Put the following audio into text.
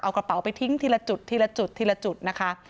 เอากระเป๋าไปทิ้งทีละจุดทีละจุดทีละจุดนะคะ